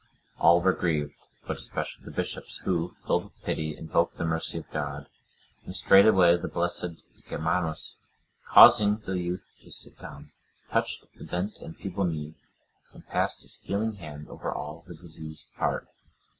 All were grieved, but especially the bishops, who, filled with pity, invoked the mercy of God; and straightway the blessed Germanus, causing the youth to sit down, touched the bent and feeble knee and passed his healing hand over all the diseased part.